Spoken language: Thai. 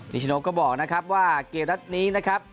ชโนก็บอกนะครับว่าเกมนัดนี้นะครับ